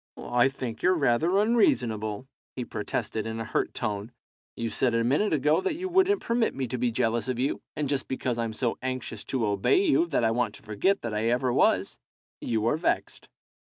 "I think you're rather unreasonable," he protested, in a hurt tone. "You said a minute ago that you wouldn't permit me to be jealous of you, and just because I'm so anxious to obey you that I want to forget that I ever was, you are vexed."